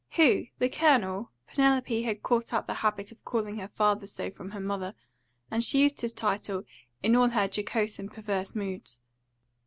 "Who? The Colonel?" Penelope had caught up the habit of calling her father so from her mother, and she used his title in all her jocose and perverse moods.